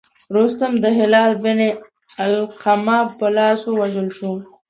رستم د هلال بن علقمه په لاس ووژل شو.